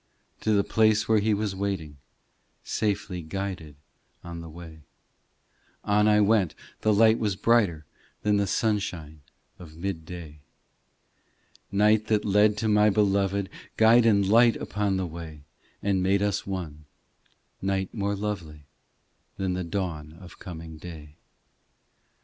To the place where He was waiting, Safely guided on the way On I went ; the light was brighter Than the sunshine of mid day. Night that led to my Beloved, Guide and light upon the way And made us one ; night more lovely Than the dawn of coming day.